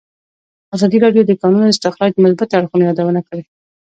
ازادي راډیو د د کانونو استخراج د مثبتو اړخونو یادونه کړې.